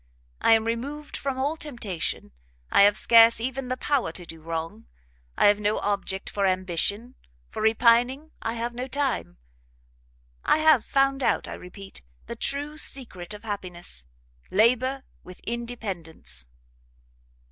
I am removed from all temptation, I have scarce even the power to do wrong; I have no object for ambition, for repining I have no time: I have, found out, I repeat, the true secret of happiness, Labour with Independence."